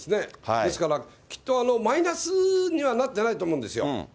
ですから、きっとマイナスにはなってないと思うんですよ。